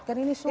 kan ini sulit